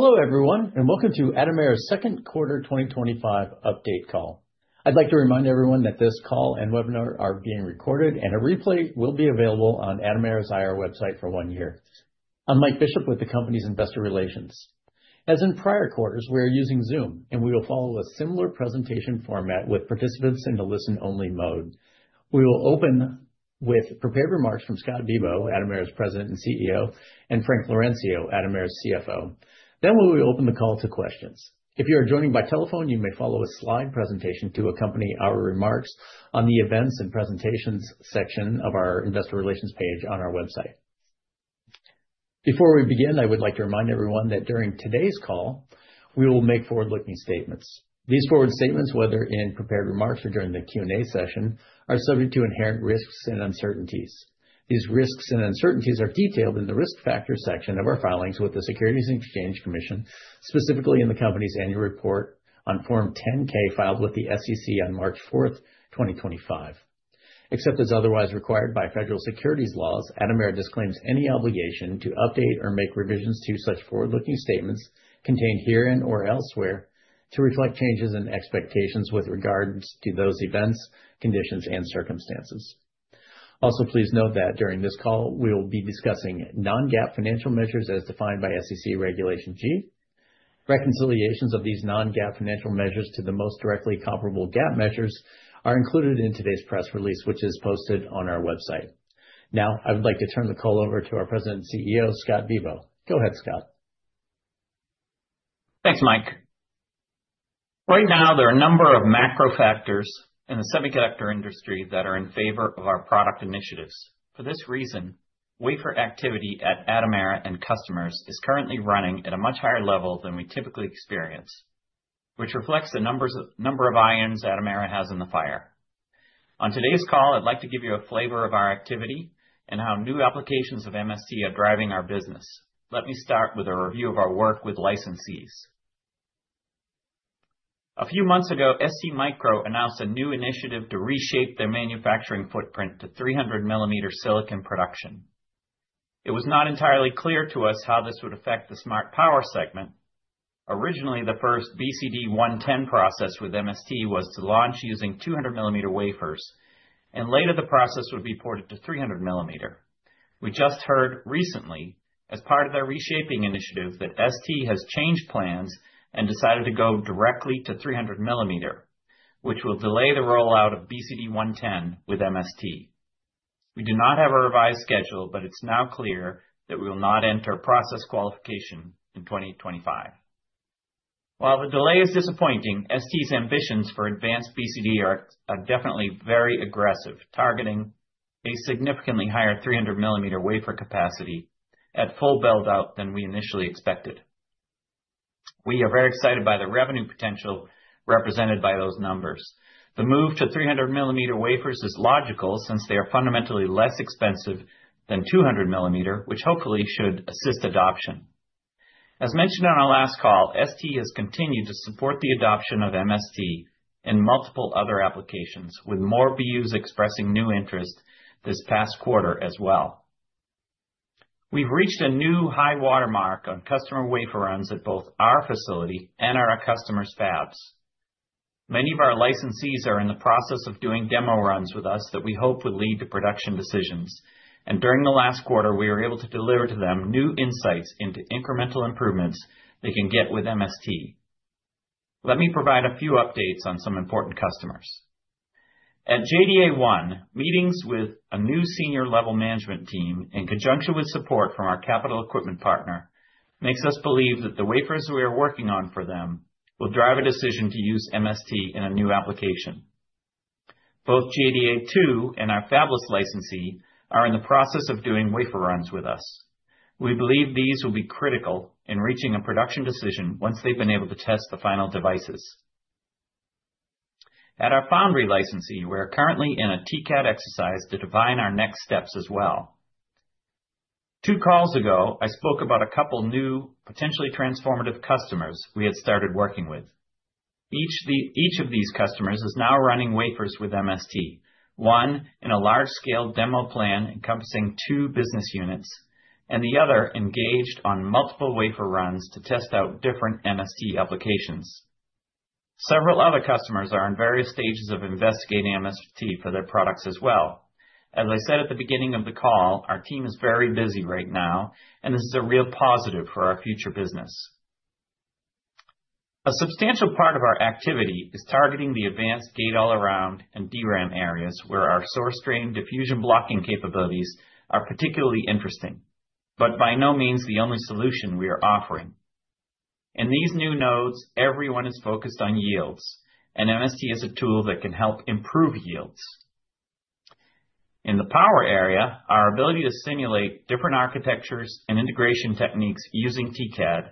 Hello everyone, and welcome to Atomera's second quarter 2025 update call. I'd like to remind everyone that this call and webinar are being recorded, and a replay will be available on Atomera's IR website for one year. I'm Mike Bishop with the company's Investor Relations. As in prior quarters, we are using Zoom, and we will follow a similar presentation format with participants in a listen-only mode. We will open with prepared remarks from Scott Bibaud, Atomera's President and CEO, and Frank Laurencio, Atomera's CFO. Then we will open the call to questions. If you are joining by telephone, you may follow a slide presentation to accompany our remarks on the Events and Presentations section of our Investor Relations page on our website. Before we begin, I would like to remind everyone that during today's call, we will make forward-looking statements. These forward-looking statements, whether in prepared remarks or during the Q&A session, are subject to inherent risks and uncertainties. These risks and uncertainties are detailed in the Risk Factor section of our filings with the Securities and Exchange Commission, specifically in the company's annual report on Form 10-K filed with the SEC on March 4, 2025. Except as otherwise required by federal securities laws, Atomera disclaims any obligation to update or make revisions to such forward-looking statements contained herein or elsewhere to reflect changes in expectations with regards to those events, conditions, and circumstances. Also, please note that during this call, we will be discussing non-GAAP financial measures as defined by SEC Regulation G. Reconciliations of these non-GAAP financial measures to the most directly comparable GAAP measures are included in today's press release, which is posted on our website. Now, I would like to turn the call over to our President and CEO, Scott Bibaud. Go ahead, Scott. Thanks, Mike. Right now, there are a number of macro factors in the semiconductor industry that are in favor of our product initiatives. For this reason, wafer activity at Atomera and customers is currently running at a much higher level than we typically experience, which reflects the number of irons Atomera has in the fire. On today's call, I'd like to give you a flavor of our activity and how new applications of MST are driving our business. Let me start with a review of our work with licensees. A few months ago, STMicroelectronics announced a new initiative to reshape their manufacturing footprint to 300 mm silicon production. It was not entirely clear to us how this would affect the smart power segment. Originally, the first BCD 110 process with MST was to launch using 200 mm wafers, and later the process would be ported to 300 mm. We just heard recently, as part of their reshaping initiative, that STMicroelectronics has changed plans and decided to go directly to 300 mm, which will delay the rollout of BCD 110 with MST. We do not have a revised schedule, but it's now clear that we will not enter process qualification in 2025. While the delay is disappointing, STMicroelectronics' ambitions for advanced BCD are definitely very aggressive, targeting a significantly higher 300 mm wafer capacity at full buildout than we initially expected. We are very excited by the revenue potential represented by those numbers. The move to 300 mm wafers is logical since they are fundamentally less expensive than 200 mm, which hopefully should assist adoption. As mentioned on our last call, STMicroelectronics has continued to support the adoption of MST and multiple other applications, with more BUs expressing new interest this past quarter as well. We've reached a new high watermark on customer wafer runs at both our facility and our customers' fabs. Many of our licensees are in the process of doing demo runs with us that we hope will lead to production decisions. During the last quarter, we were able to deliver to them new insights into incremental improvements they can get with MST. Let me provide a few updates on some important customers. At JDA One, meetings with a new senior level management team in conjunction with support from our capital equipment partner make us believe that the wafers we are working on for them will drive a decision to use MST in a new application. Both JDA Two and our fabless licensee are in the process of doing wafer runs with us. We believe these will be critical in reaching a production decision once they've been able to test the final devices. At our foundry licensee, we're currently in a TCAD exercise to define our next steps as well. Two calls ago, I spoke about a couple of new, potentially transformative customers we had started working with. Each of these customers is now running wafers with MST, one in a large-scale demo plan encompassing two business units, and the other engaged on multiple wafer runs to test out different MST applications. Several other customers are in various stages of investigating MST for their products as well. As I said at the beginning of the call, our team is very busy right now, and this is a real positive for our future business. A substantial part of our activity is targeting the advanced data all around and DRAM areas where our source stream diffusion blocking capabilities are particularly interesting, but by no means the only solution we are offering. In these new nodes, everyone is focused on yields, and MST is a tool that can help improve yields. In the power area, our ability to simulate different architectures and integration techniques using TCAD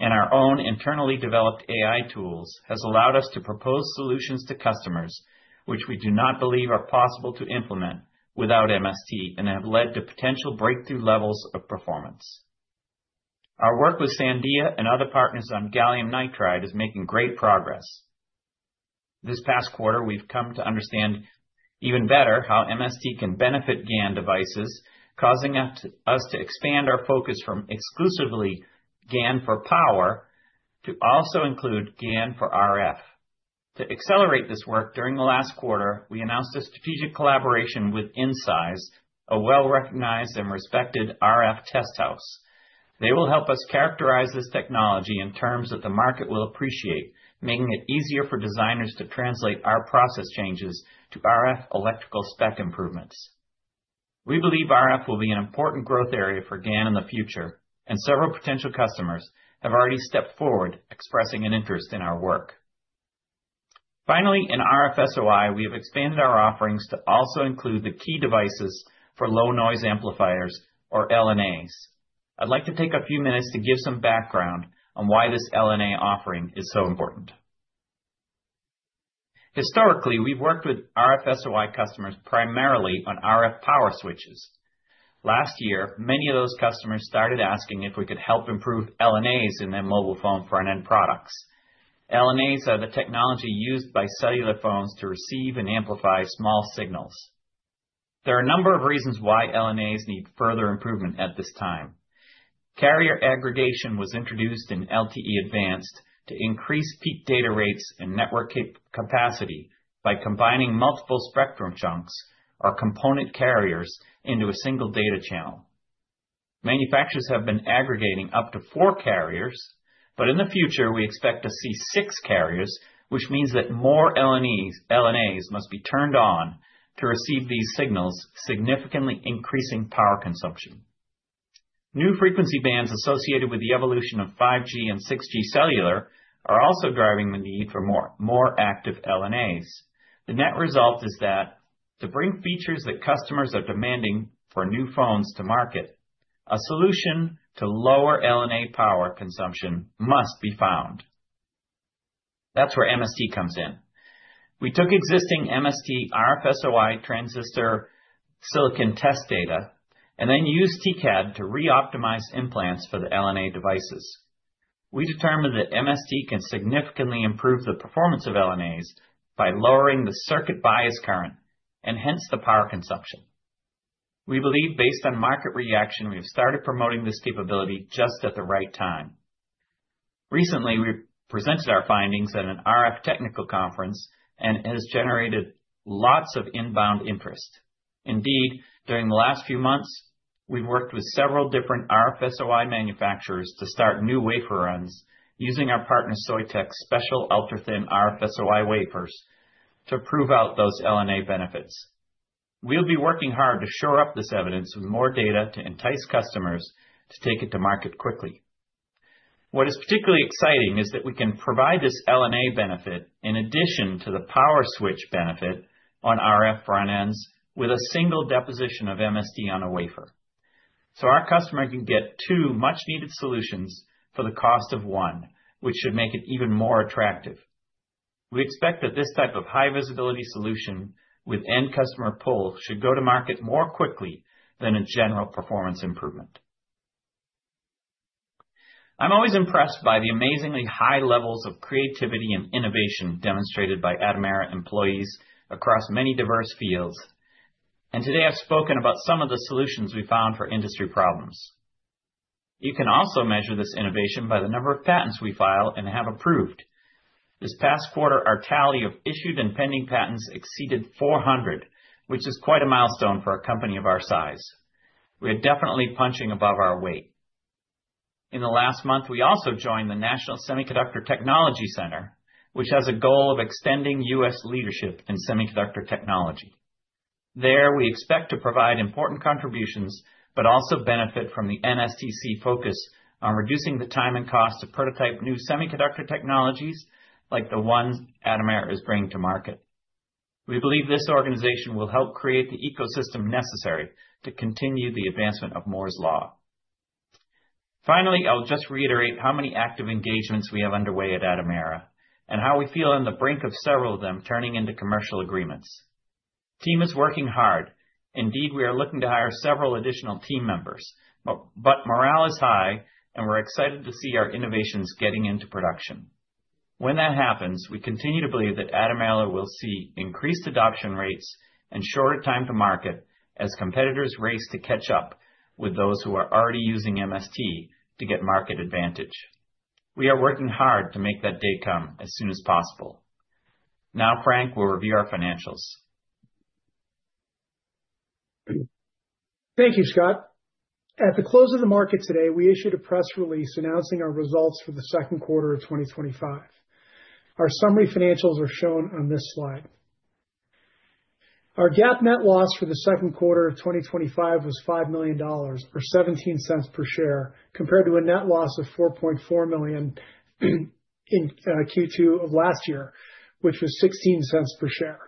and our own internally developed AI tools has allowed us to propose solutions to customers, which we do not believe are possible to implement without MST and have led to potential breakthrough levels of performance. Our work with Sandia National Labs and other partners on gallium nitride is making great progress. This past quarter, we've come to understand even better how MST can benefit gallium nitride devices, causing us to expand our focus from exclusively gallium nitride for power to also include gallium nitride for RF. To accelerate this work, during the last quarter, we announced a strategic collaboration with Incize, a well-recognized and respected RF test house. They will help us characterize this technology in terms that the market will appreciate, making it easier for designers to translate our process changes to RF electrical spec improvements. We believe RF will be an important growth area for gallium nitride in the future, and several potential customers have already stepped forward expressing an interest in our work. Finally, in RF SOI, we have expanded our offerings to also include the key devices for low noise amplifiers or LNAs. I'd like to take a few minutes to give some background on why this LNA offering is so important. Historically, we've worked with RF SOI customers primarily on RF power switches. Last year, many of those customers started asking if we could help improve LNAs in their mobile phone front-end products. LNAs are the technology used by cellular phones to receive and amplify small signals. There are a number of reasons why LNAs need further improvement at this time. Carrier aggregation was introduced in LTE Advanced to increase peak data rates and network capacity by combining multiple spectrum chunks or component carriers into a single data channel. Manufacturers have been aggregating up to four carriers, but in the future, we expect to see six carriers, which means that more LNAs must be turned on to receive these signals, significantly increasing power consumption. New frequency bands associated with the evolution of 5G and 6G cellular are also driving the need for more active LNAs. The net result is that to bring features that customers are demanding for new phones to market, a solution to lower LNA power consumption must be found. That's where MST comes in. We took existing MST RF SOI transistor silicon test data and then used TCAD to re-optimize implants for the LNA devices. We determined that MST can significantly improve the performance of LNAs by lowering the circuit bias current and hence the power consumption. We believe, based on market reaction, we have started promoting this capability just at the right time. Recently, we presented our findings at an RF technical conference, and it has generated lots of inbound interest. Indeed, during the last few months, we've worked with several different RF SOI manufacturers to start new wafer runs using our partner Soitec's special ultra-thin RF SOI wafers to prove out those LNA benefits. We will be working hard to shore up this evidence with more data to entice customers to take it to market quickly. What is particularly exciting is that we can provide this LNA benefit in addition to the power switch benefit on RF front ends with a single deposition of MST on a wafer. Our customer can get two much-needed solutions for the cost of one, which should make it even more attractive. We expect that this type of high visibility solution with end customer pull should go to market more quickly than its general performance improvement. I am always impressed by the amazingly high levels of creativity and innovation demonstrated by Atomera employees across many diverse fields. Today, I've spoken about some of the solutions we found for industry problems. You can also measure this innovation by the number of patents we file and have approved. This past quarter, our tally of issued and pending patents exceeded 400, which is quite a milestone for a company of our size. We are definitely punching above our weight. In the last month, we also joined the National Semiconductor Technology Center, which has a goal of extending U.S. leadership in semiconductor technology. There, we expect to provide important contributions, but also benefit from the National Semiconductor Technology Center focus on reducing the time and cost to prototype new semiconductor technologies like the ones Atomera is bringing to market. We believe this organization will help create the ecosystem necessary to continue the advancement of Moore's Law. Finally, I'll just reiterate how many active engagements we have underway at Atomera and how we feel on the brink of several of them turning into commercial agreements. The team is working hard. Indeed, we are looking to hire several additional team members, but morale is high, and we're excited to see our innovations getting into production. When that happens, we continue to believe that Atomera will see increased adoption rates and shorter time to market as competitors race to catch up with those who are already using MST to get market advantage. We are working hard to make that day come as soon as possible. Now, Frank, we'll review our financials. Thank you, Scott. At the close of the market today, we issued a press release announcing our results for the second quarter of 2025. Our summary financials are shown on this slide. Our GAAP net loss for the second quarter of 2025 was $5 million or $0.17 per share, compared to a net loss of $4.4 million in Q2 of last year, which was $0.16 per share.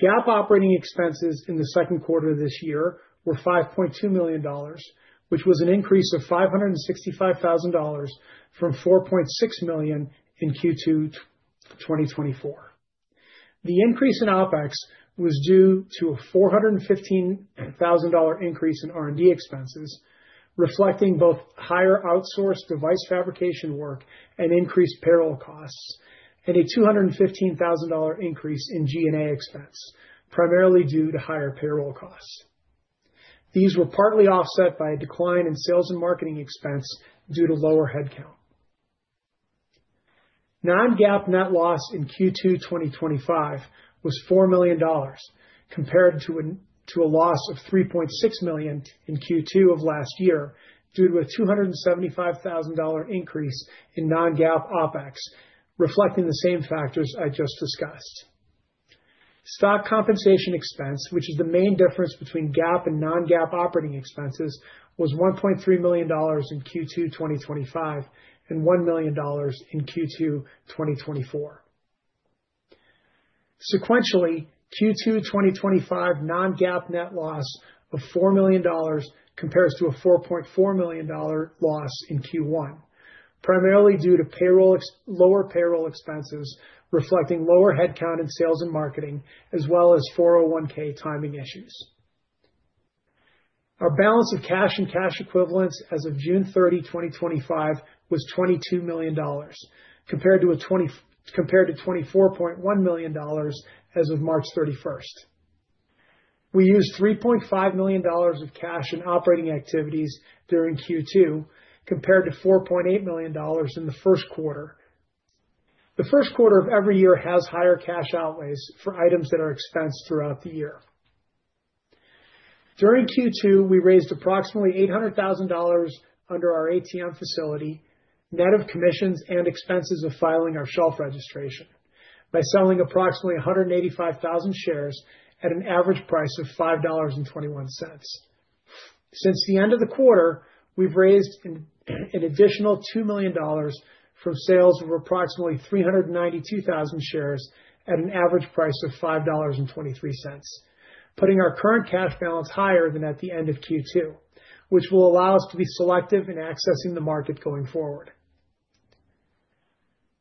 GAAP operating expenses in the second quarter of this year were $5.2 million, which was an increase of $565,000 from $4.6 million in Q2 2024. The increase in OpEx was due to a $415,000 increase in R&D expenses, reflecting both higher outsourced device fabrication work and increased payroll costs, and a $215,000 increase in G&A expense, primarily due to higher payroll costs. These were partly offset by a decline in sales and marketing expense due to lower headcount. Non-GAAP net loss in Q2 2025 was $4 million, compared to a loss of $3.6 million in Q2 of last year due to a $275,000 increase in non-GAAP OpEx, reflecting the same factors I just discussed. Stock compensation expense, which is the main difference between GAAP and non-GAAP operating expenses, was $1.3 million in Q2 2025 and $1 million in Q2 2024. Sequentially, Q2 2025 non-GAAP net loss of $4 million compares to a $4.4 million loss in Q1, primarily due to lower payroll expenses, reflecting lower headcount in sales and marketing, as well as 401(k) timing issues. Our balance of cash and cash equivalents as of June 30, 2025 was $22 million, compared to $24.1 million as of March 31. We used $3.5 million of cash in operating activities during Q2, compared to $4.8 million in the first quarter. The first quarter of every year has higher cash outlays for items that are expensed throughout the year. During Q2, we raised approximately $800,000 under our ATM facility, net of commissions and expenses of filing our shelf registration, by selling approximately 185,000 shares at an average price of $5.21. Since the end of the quarter, we've raised an additional $2 million from sales of approximately 392,000 shares at an average price of $5.23, putting our current cash balance higher than at the end of Q2, which will allow us to be selective in accessing the market going forward.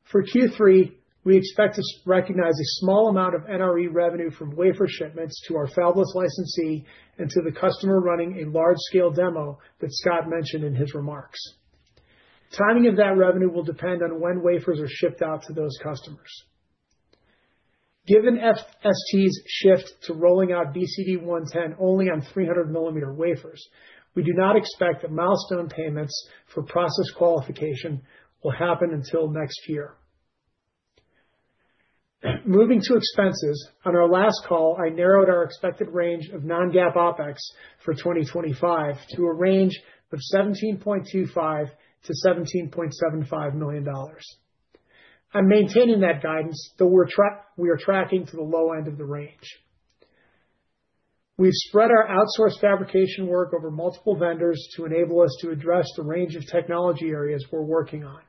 For Q3, we expect to recognize a small amount of NRE revenue from wafer shipments to our fabless licensee and to the customer running a large-scale demo that Scott mentioned in his remarks. Timing of that revenue will depend on when wafers are shipped out to those customers. Given STMicroelectronics' shift to rolling out BCD 110 only on 300 mm wafers, we do not expect that milestone payments for process qualification will happen until next year. Moving to expenses, on our last call, I narrowed our expected range of non-GAAP OpEx for 2025 to a range of $17.25 million-$17.75 million. I'm maintaining that guidance, though we are tracking to the low end of the range. We've spread our outsourced fabrication work over multiple vendors to enable us to address the range of technology areas we're working on.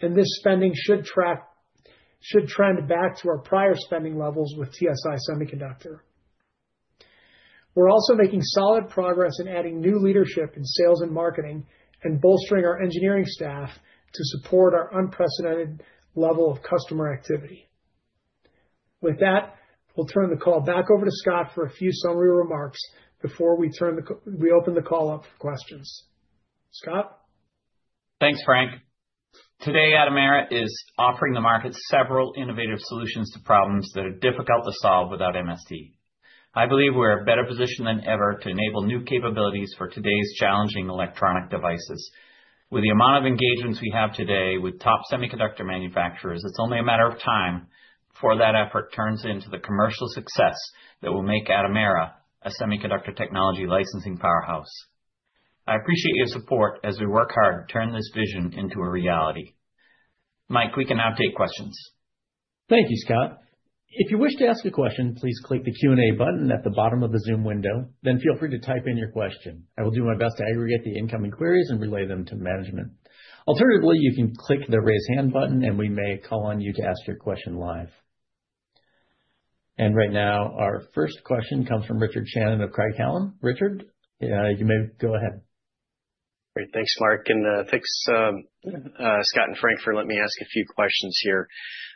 This spending should trend back to our prior spending levels with TSI Semiconductor. We're also making solid progress in adding new leadership in Sales and Marketing and bolstering our Engineering staff to support our unprecedented level of customer activity. With that, we'll turn the call back over to Scott for a few summary remarks before we open the call up for questions. Scott? Thanks, Frank. Today, Atomera is offering the market several innovative solutions to problems that are difficult to solve without MST. I believe we're in a better position than ever to enable new capabilities for today's challenging electronic devices. With the amount of engagements we have today with top semiconductor manufacturers, it's only a matter of time before that effort turns into the commercial success that will make Atomera a semiconductor technology licensing powerhouse. I appreciate your support as we work hard to turn this vision into a reality. Mike, we can now take questions. Thank you, Scott. If you wish to ask a question, please click the Q&A button at the bottom of the Zoom window. Then feel free to type in your question. I will do my best to aggregate the incoming queries and relay them to management. Alternatively, you can click the raise hand button and we may call on you to ask your question live. Right now, our first question comes from Richard Shannon of Craig-Hallum. Richard, you may go ahead. Thanks, Mark. Thanks, Scott and Frank, for letting me ask a few questions here.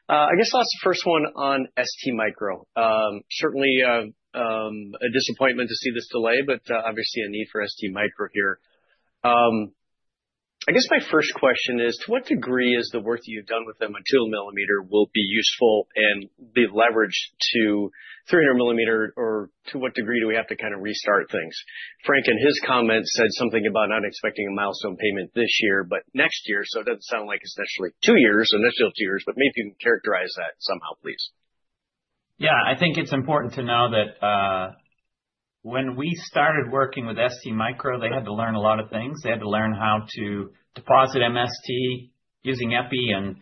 I guess I'll ask the first one on STMicroelectronics. Certainly a disappointment to see this delay, but obviously a need for STMicroelectronics here. I guess my first question is, to what degree is the work that you've done with them on 200 mm will be useful and be leveraged to 300 mm, or to what degree do we have to kind of restart things? Frank in his comments said something about not expecting a milestone payment this year, but next year, so it doesn't sound like it's actually two years, and it's still two years, but maybe you can characterize that somehow, please. Yeah, I think it's important to know that when we started working with STMicroelectronics, they had to learn a lot of things. They had to learn how to deposit MST using EPI and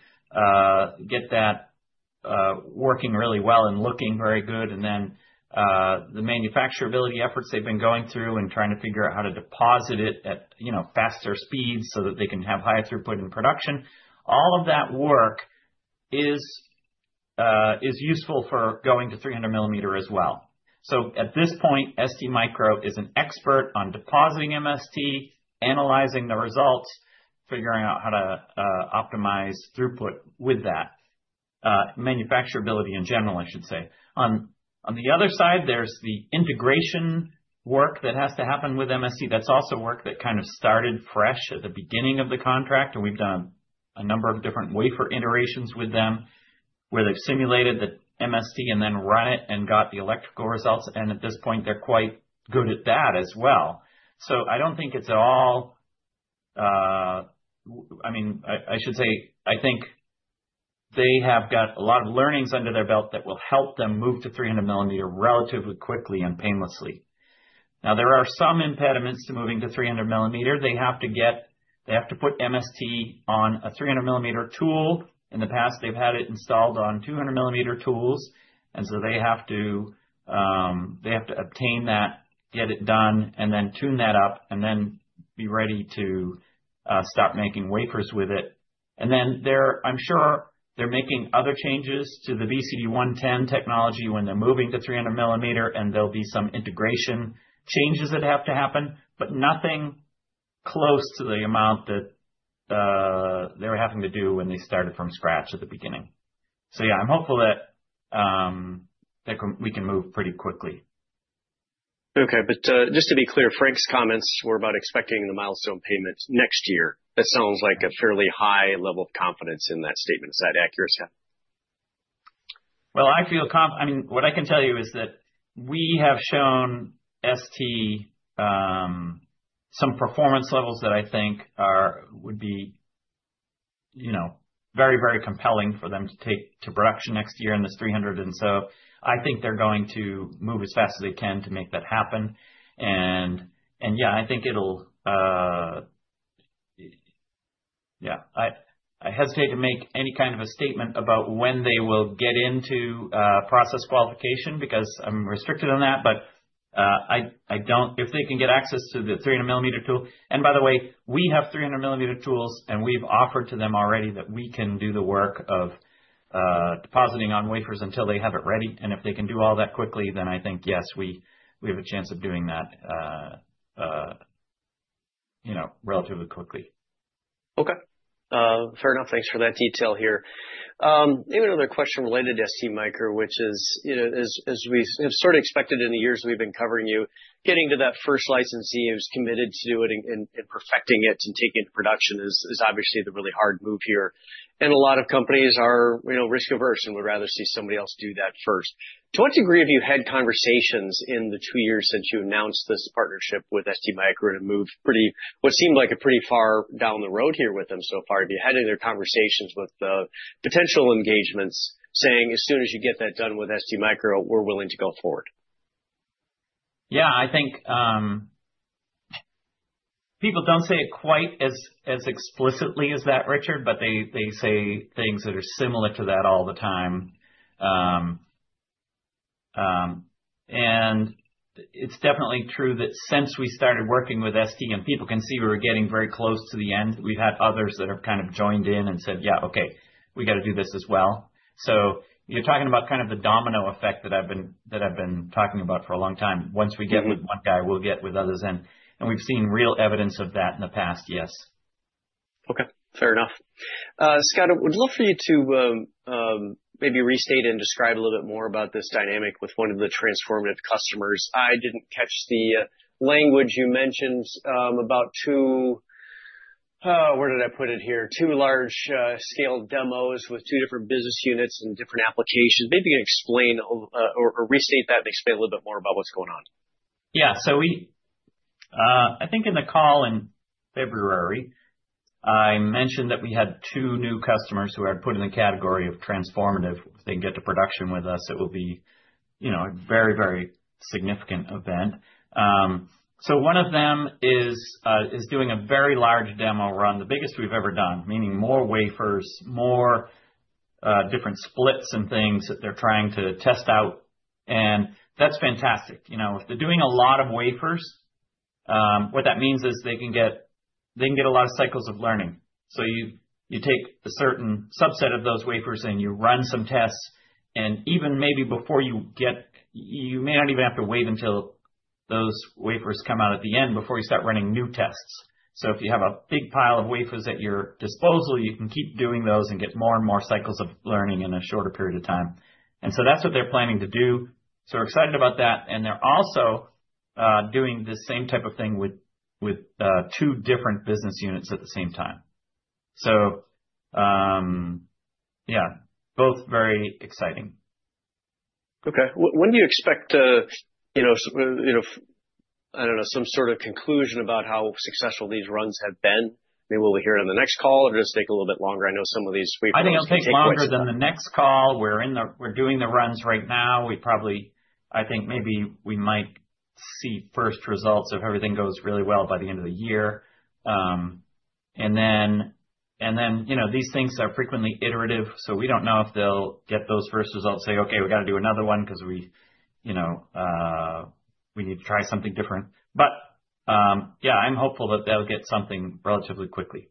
get that working really well and looking very good. Then the manufacturability efforts they've been going through and trying to figure out how to deposit it at faster speeds so that they can have higher throughput in production. All of that work is useful for going to 300 mm as well. At this point, STMicroelectronics is an expert on depositing MST, analyzing the results, figuring out how to optimize throughput with that. Manufacturability in general, I should say. On the other side, there's the integration work that has to happen with MST. That's also work that kind of started fresh at the beginning of the contract. We've done a number of different wafer iterations with them where they've simulated the MST and then run it and got the electrical results. At this point, they're quite good at that as well. I don't think it's at all, I mean, I should say, I think they have got a lot of learnings under their belt that will help them move to 300 mm relatively quickly and painlessly. There are some impediments to moving to 300 mm. They have to get, they have to put MST on a 300 mm tool. In the past, they've had it installed on 200 mm tools. They have to obtain that, get it done, and then tune that up and then be ready to stop making wafers with it. I'm sure they're making other changes to the BCD 110 technology when they're moving to 300 mm, and there'll be some integration changes that have to happen, but nothing close to the amount that they're having to do when they started from scratch at the beginning. I'm hopeful that we can move pretty quickly. Okay, just to be clear, Frank's comments were about expecting the milestone payment next year. That sounds like a fairly high level of confidence in that statement. Is that accurate, Scott? I feel, I mean, what I can tell you is that we have shown STMicroelectronics some performance levels that I think would be very, very compelling for them to take to production next year in the 300. I think they're going to move as fast as they can to make that happen. I hesitate to make any kind of a statement about when they will get into process qualification because I'm restricted on that. If they can get access to the 300 mm tool, and by the way, we have 300 mm tools, and we've offered to them already that we can do the work of depositing on wafers until they have it ready. If they can do all that quickly, then I think, yes, we have a chance of doing that relatively quickly. Okay. Fair enough. Thanks for that detail here. I have another question related to STMicroelectronics, which is, you know, as we have sort of expected in the years we've been covering you, getting to that first licensee who's committed to do it and perfecting it and taking it to production is obviously the really hard move here. A lot of companies are risk-averse and would rather see somebody else do that first. To what degree have you had conversations in the two years since you announced this partnership with STMicroelectronics to move pretty, what seemed like a pretty far down the road here with them so far? Have you had any other conversations with potential engagements saying, "As soon as you get that done with STMicroelectronics, we're willing to go forward"? Yeah, I think people don't say it quite as explicitly as that, Richard, but they say things that are similar to that all the time. It's definitely true that since we started working with STMicroelectronics and people can see we were getting very close to the end, we've had others that have kind of joined in and said, "Yeah, okay, we got to do this as well." You're talking about kind of the domino effect that I've been talking about for a long time. Once we get with one guy, we'll get with others. We've seen real evidence of that in the past, yes. Okay. Fair enough. Scott, I would love for you to maybe restate and describe a little bit more about this dynamic with one of the transformative customers. I didn't catch the language you mentioned about two, oh, where did I put it here? Two large-scale demos with two different business units and different applications. Maybe you can explain or restate that and explain a little bit more about what's going on. Yeah, I think in the call in February, I mentioned that we had two new customers who I'd put in the category of transformative. If they can get to production with us, it will be a very, very significant event. One of them is doing a very large demo run, the biggest we've ever done, meaning more wafers, more different splits and things that they're trying to test out. That's fantastic. If they're doing a lot of wafers, what that means is they can get a lot of cycles of learning. You take a certain subset of those wafers and you run some tests. Even maybe before you get, you may not even have to wait until those wafers come out at the end before you start running new tests. If you have a big pile of wafers at your disposal, you can keep doing those and get more and more cycles of learning in a shorter period of time. That's what they're planning to do. We're excited about that. They're also doing the same type of thing with two different business units at the same time. Yeah, both very exciting. Okay. When do you expect to, you know, I don't know, some sort of conclusion about how successful these runs have been? Maybe we'll hear it on the next call or just take a little bit longer. I know some of these wafers are longer. I think it'll take longer than the next call. We're doing the runs right now. We probably, I think maybe we might see first results if everything goes really well by the end of the year. These things are frequently iterative. We don't know if they'll get those first results and say, "Okay, we got to do another one because we need to try something different." I'm hopeful that they'll get something relatively quickly.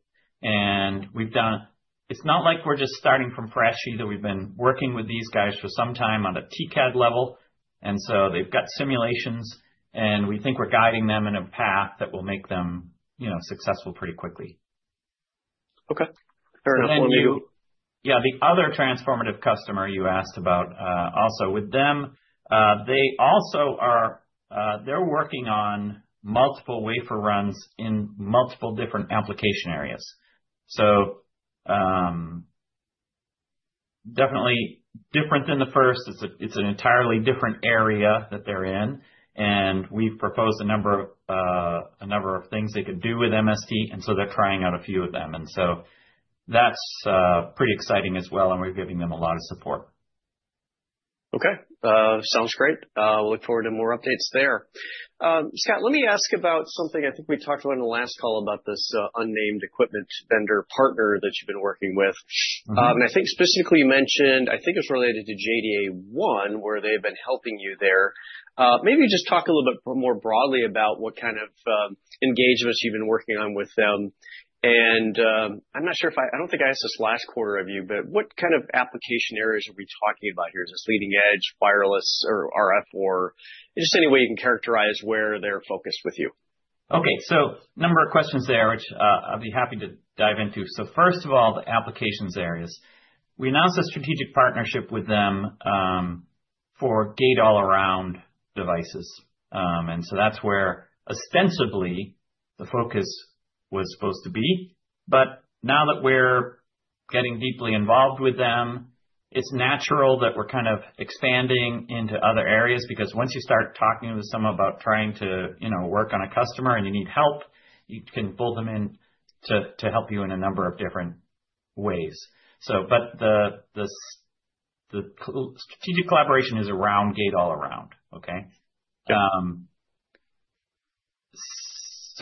We've done, it's not like we're just starting from fresh either. We've been working with these guys for some time on a TCAD level. They've got simulations, and we think we're guiding them in a path that will make them successful pretty quickly. Okay. Fair enough. Yeah, the other transformative customer you asked about, also with them, they are working on multiple wafer runs in multiple different application areas. Definitely different than the first. It's an entirely different area that they're in. We've proposed a number of things they could do with MST, and they're trying out a few of them. That's pretty exciting as well, and we're giving them a lot of support. Okay. Sounds great. We'll look forward to more updates there. Scott, let me ask about something I think we talked about in the last call about this unnamed equipment vendor partner that you've been working with. I think specifically you mentioned, I think it's related to JDA One, where they've been helping you there. Maybe just talk a little bit more broadly about what kind of engagements you've been working on with them. I'm not sure if I, I don't think I asked this last quarter of you, but what kind of application areas are we talking about here? Is this leading edge, wireless, or RF, or just any way you can characterize where they're focused with you? Okay. So a number of questions there, which I'll be happy to dive into. First of all, the applications areas. We announced a strategic partnership with them for gate-all-around devices, and that's where ostensibly the focus was supposed to be. Now that we're getting deeply involved with them, it's natural that we're kind of expanding into other areas because once you start talking with someone about trying to work on a customer and you need help, you can pull them in to help you in a number of different ways. The strategic collaboration is around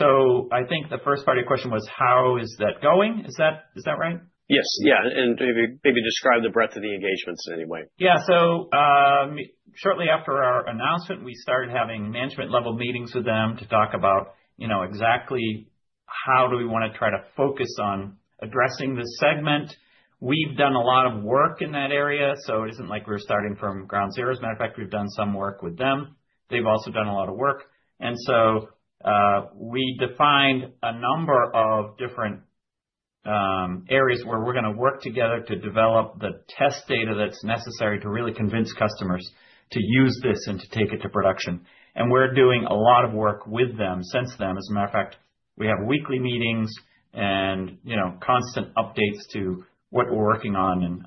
gate-all-around, okay? I think the first part of your question was how is that going? Is that right? Yes. Maybe describe the breadth of the engagements in any way. Shortly after our announcement, we started having management-level meetings with them to talk about exactly how we want to try to focus on addressing this segment. We've done a lot of work in that area, so it isn't like we're starting from ground zero. As a matter of fact, we've done some work with them. They've also done a lot of work, and we defined a number of different areas where we're going to work together to develop the test data that's necessary to really convince customers to use this and to take it to production. We're doing a lot of work with them since then. As a matter of fact, we have weekly meetings and constant updates to what we're working on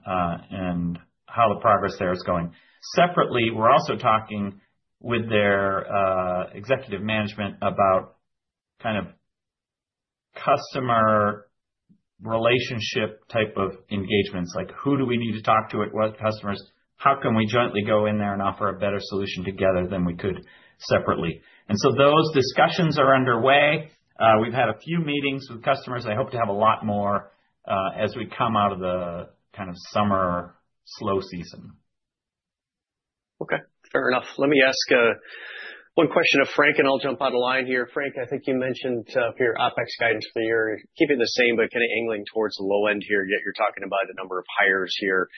and how the progress there is going. Separately, we're also talking with their executive management about customer relationship type of engagements, like who do we need to talk to at what customers, and how can we jointly go in there and offer a better solution together than we could separately. Those discussions are underway. We've had a few meetings with customers. I hope to have a lot more as we come out of the kind of summer slow season. Okay. Fair enough. Let me ask one question of Frank, and I'll jump on the line here. Frank, I think you mentioned for your OpEx guidance you're keeping the same, but kind of angling towards the low end here. You're talking about a number of hires here.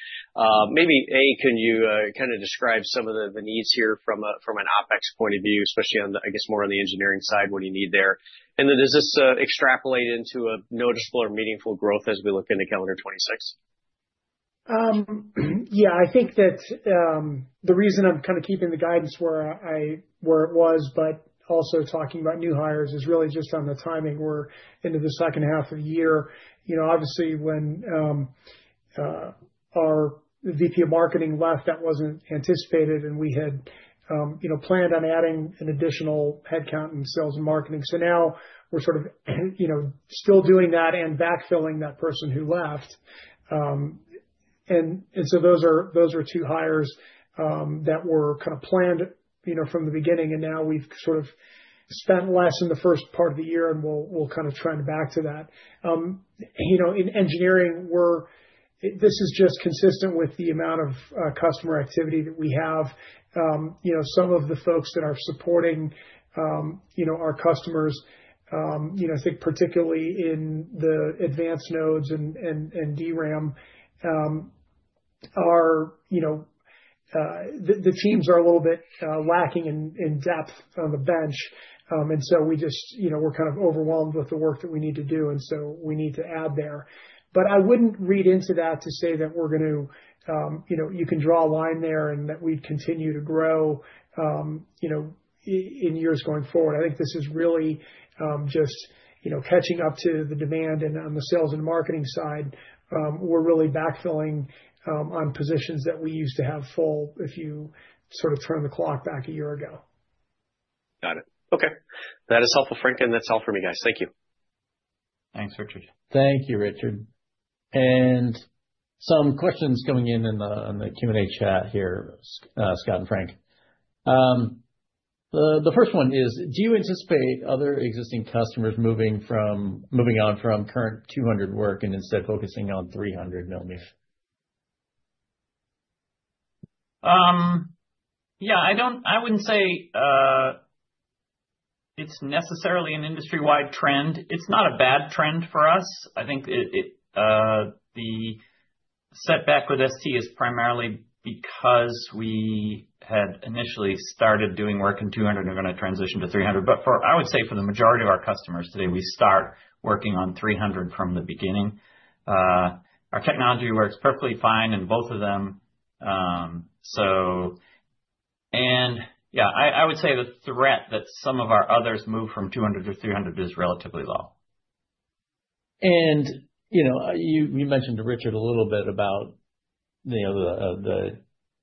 Maybe, A, can you kind of describe some of the needs here from an OpEx point of view, especially on, I guess, more on the engineering side, what do you need there? Does this extrapolate into a noticeable or meaningful growth as we look into calendar 2026? Yeah, I think that the reason I'm kind of keeping the guidance where it was, but also talking about new hires, is really just on the timing. We're into the second half of the year. Obviously, when our VP of Marketing left, that wasn't anticipated. We had planned on adding an additional headcount in Sales and Marketing. Now we're still doing that and backfilling that person who left. Those are two hires that were kind of planned from the beginning. Now we've spent less in the first part of the year, and we'll kind of trend back to that. In Engineering, this is just consistent with the amount of customer activity that we have. Some of the folks that are supporting our customers, I think particularly in the advanced nodes and DRAM, the teams are a little bit lacking in depth on the bench. We are kind of overwhelmed with the work that we need to do, and we need to add there. I wouldn't read into that to say that we're going to, you know, you can draw a line there and that we'd continue to grow in years going forward. I think this is really just catching up to the demand. On the Sales and Marketing side, we're really backfilling on positions that we used to have full if you sort of turn the clock back a year ago. Got it. Okay. That is helpful, Frank. That's all for me, guys. Thank you. Thanks, Richard. Thank you, Richard. Some questions coming in in the Q&A chat here, Scott and Frank. The first one is, do you anticipate other existing customers moving on from current 200 work and instead focusing on 300 mm? I wouldn't say it's necessarily an industry-wide trend. It's not a bad trend for us. I think the setback with STMicroelectronics is primarily because we had initially started doing work in 200 and are going to transition to 300. I would say for the majority of our customers today, we start working on 300 from the beginning. Our technology works perfectly fine in both of them. I would say the threat that some of our others move from 200 to 300 is relatively low. You mentioned to Richard a little bit about the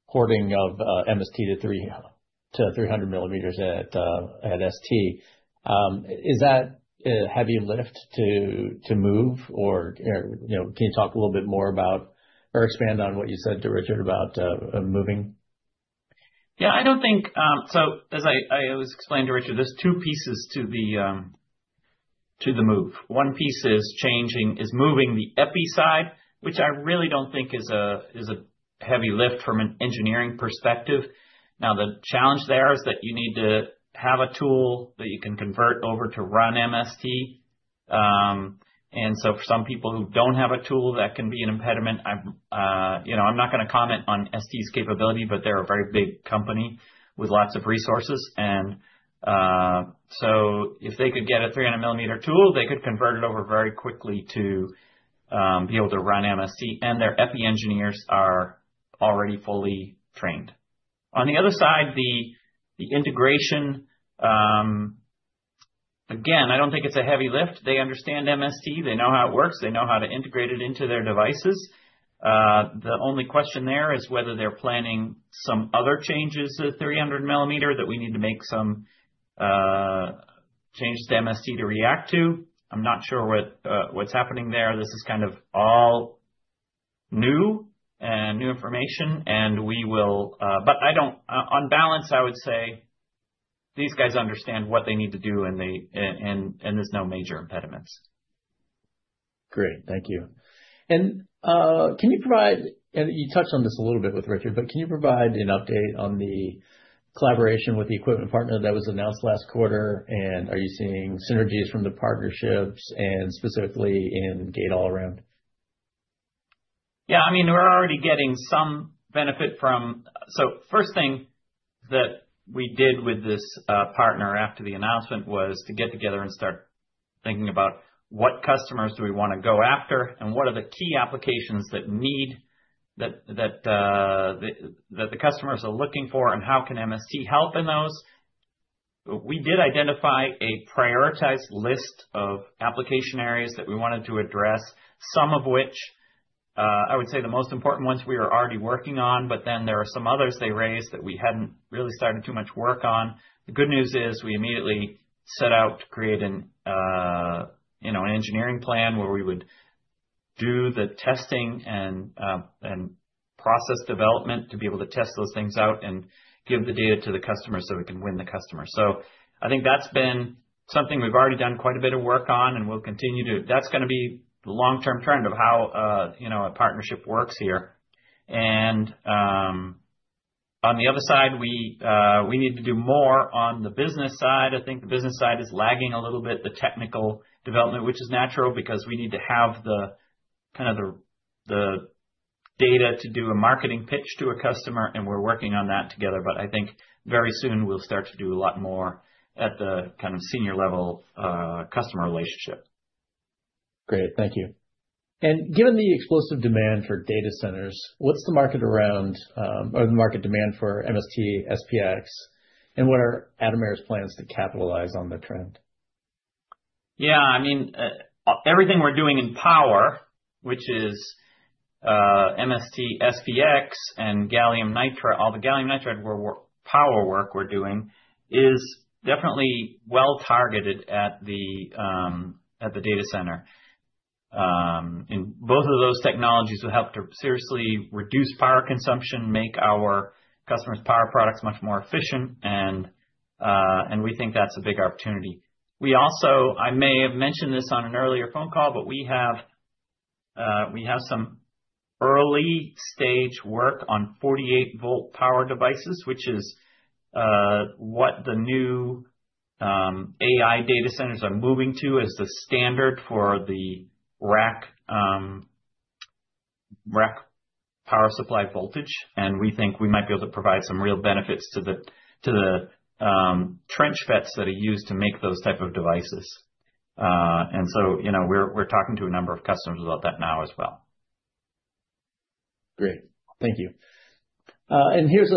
porting of MST to 300 mm at STMicroelectronics. Is that a heavy lift to move? Can you talk a little bit more about or expand on what you said to Richard about moving? Yeah, I don't think, as I always explain to Richard, there's two pieces to the move. One piece is changing, is moving the EPI side, which I really don't think is a heavy lift from an engineering perspective. The challenge there is that you need to have a tool that you can convert over to run MST. For some people who don't have a tool, that can be an impediment. I'm not going to comment on STMicroelectronics' capability, but they're a very big company with lots of resources. If they could get a 300 mm tool, they could convert it over very quickly to be able to run MST, and their EPI engineers are already fully trained. On the other side, the integration, again, I don't think it's a heavy lift. They understand MST. They know how it works. They know how to integrate it into their devices. The only question there is whether they're planning some other changes to the 300 mm that we need to make some changes to MST to react to. I'm not sure what's happening there. This is kind of all new and new information. I would say these guys understand what they need to do, and there's no major impediments. Great. Thank you. Can you provide, and you touched on this a little bit with Richard, can you provide an update on the collaboration with the equipment partner that was announced last quarter? Are you seeing synergies from the partnerships, specifically in gate-all-around? Yeah, I mean, we're already getting some benefit from, so first thing that we did with this partner after the announcement was to get together and start thinking about what customers do we want to go after and what are the key applications that need that the customers are looking for and how can MST help in those. We did identify a prioritized list of application areas that we wanted to address, some of which I would say the most important ones we were already working on, but then there are some others they raised that we hadn't really started too much work on. The good news is we immediately set out to create an engineering plan where we would do the testing and process development to be able to test those things out and give the data to the customer so we can win the customer. I think that's been something we've already done quite a bit of work on and we'll continue to, that's going to be the long-term trend of how a partnership works here. On the other side, we need to do more on the business side. I think the business side is lagging a little bit, the technical development, which is natural because we need to have the kind of the data to do a marketing pitch to a customer and we're working on that together. I think very soon we'll start to do a lot more at the kind of senior level customer relationship. Thank you. Given the explosive demand for data centers, what's the market around or the market demand for MST, SPX, and what are Atomera's plans to capitalize on the trend? Yeah, I mean, everything we're doing in power, which is MST, MST-SPX, and gallium nitride, all the gallium nitride power work we're doing is definitely well targeted at the data center. Both of those technologies will help to seriously reduce power consumption, make our customers' power products much more efficient, and we think that's a big opportunity. I may have mentioned this on an earlier phone call, but we have some early-stage work on 48-volt power devices, which is what the new AI data centers are moving to as the standard for the rack power supply voltage. We think we might be able to provide some real benefits to the trench FETs that are used to make those types of devices. We're talking to a number of customers about that now as well. Great. Thank you. Here's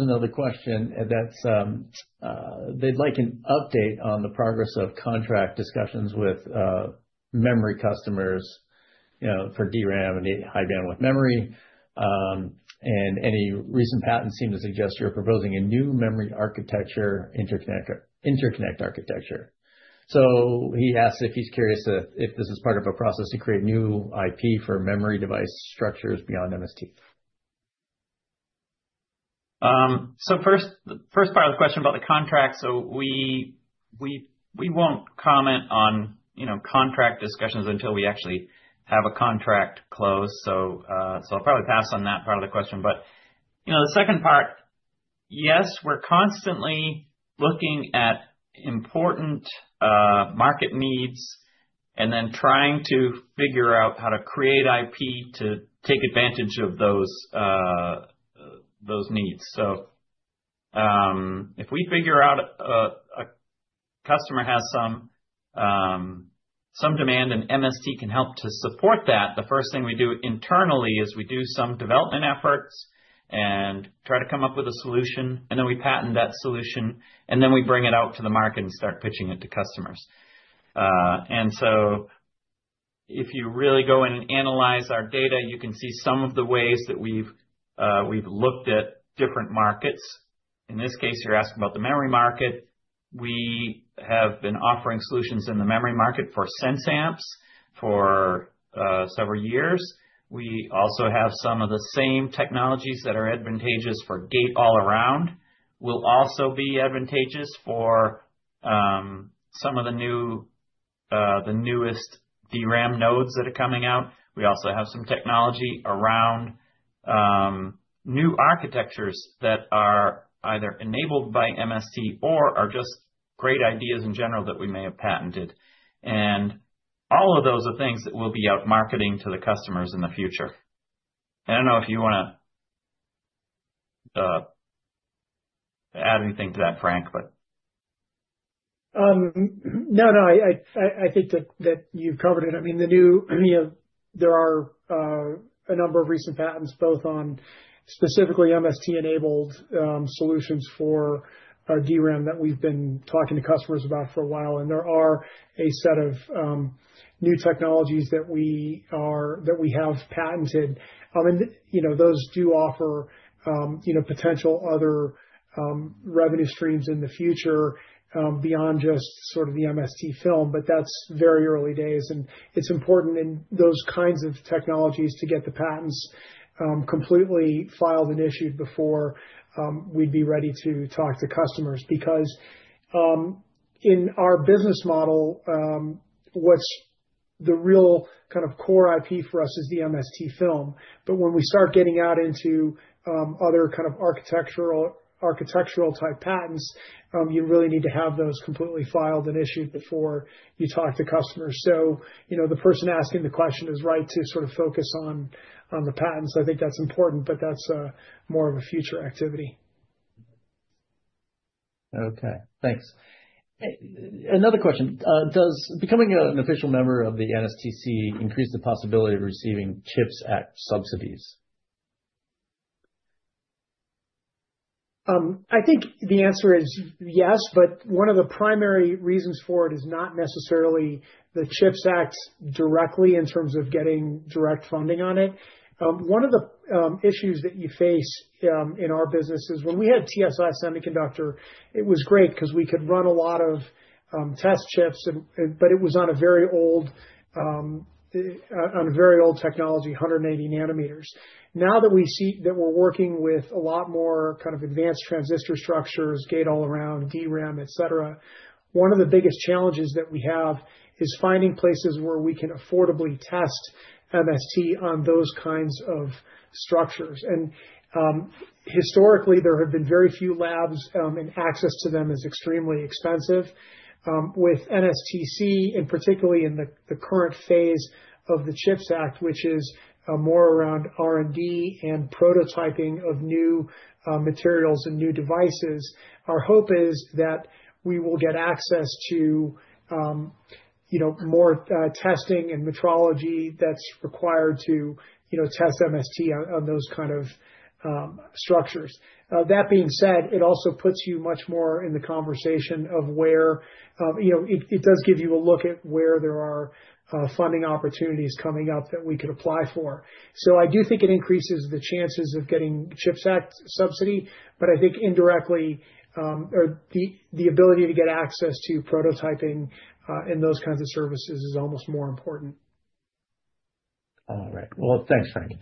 another question. They'd like an update on the progress of contract discussions with memory customers, you know, for DRAM and high bandwidth memory. Any recent patents seem to suggest you're proposing a new memory architecture, interconnect architecture. He asks if he's curious if this is part of a process to create new IP for memory device structures beyond MST. The first part of the question about the contract, we won't comment on, you know, contract discussions until we actually have a contract close. I'll probably pass on that part of the question. The second part, yes, we're constantly looking at important market needs and then trying to figure out how to create IP to take advantage of those needs. If we figure out a customer has some demand and MST can help to support that, the first thing we do internally is we do some development efforts and try to come up with a solution. Then we patent that solution. Then we bring it out to the market and start pitching it to customers. If you really go in and analyze our data, you can see some of the ways that we've looked at different markets. In this case, you're asking about the memory market. We have been offering solutions in the memory market for sense amps for several years. We also have some of the same technologies that are advantageous for gate-all-around. These will also be advantageous for some of the newest DRAM nodes that are coming out. We also have some technology around new architectures that are either enabled by MST or are just great ideas in general that we may have patented. All of those are things that we'll be out marketing to the customers in the future. I don't know if you want to add anything to that, Frank, but. No, I think that you covered it. I mean, the new, you know, there are a number of recent patents, both on specifically MST-enabled solutions for DRAM that we've been talking to customers about for a while. There are a set of new technologies that we have patented. You know, those do offer potential other revenue streams in the future beyond just sort of the MST film, but that's very early days. It's important in those kinds of technologies to get the patents completely filed and issued before we'd be ready to talk to customers because in our business model, what's the real kind of core IP for us is the MST film. When we start getting out into other kind of architectural type patents, you really need to have those completely filed and issued before you talk to customers. The person asking the question is right to sort of focus on the patents. I think that's important, but that's more of a future activity. Okay. Thanks. Another question. Does becoming an official member of the National Semiconductor Technology Center increase the possibility of receiving CHIPS Act subsidies? I think the answer is yes, but one of the primary reasons for it is not necessarily the CHIPS Act directly in terms of getting direct funding on it. One of the issues that you face in our business is when we had TSI Semiconductor, it was great because we could run a lot of test chips, but it was on a very old technology, 180 nm. Now that we see that we're working with a lot more kind of advanced transistor structures, gate-all-around, DRAM, etc., one of the biggest challenges that we have is finding places where we can affordably test MST on those kinds of structures. Historically, there have been very few labs, and access to them is extremely expensive. With the National Semiconductor Technology Center, and particularly in the current phase of the CHIPS Act, which is more around R&D and prototyping of new materials and new devices, our hope is that we will get access to more testing and metrology that's required to test MST on those kind of structures. That being said, it also puts you much more in the conversation of where it does give you a look at where there are funding opportunities coming up that we could apply for. I do think it increases the chances of getting CHIPS Act subsidy, but I think indirectly, the ability to get access to prototyping and those kinds of services is almost more important. All right. Thanks, Frank.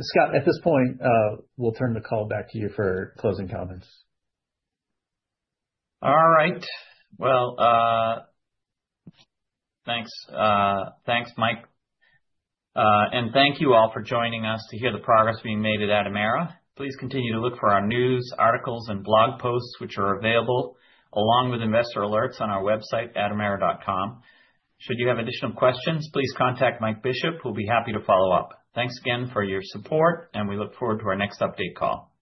Scott, at this point, we'll turn the call back to you for closing comments. All right. Thanks, Mike. Thank you all for joining us to hear the progress being made at Atomera. Please continue to look for our news, articles, and blog posts, which are available along with investor alerts on our website, atomera.com. Should you have additional questions, please contact Mike Bishop, who will be happy to follow up. Thanks again for your support, and we look forward to our next update call.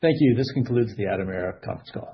Thank you. This concludes the Atomera talk stop.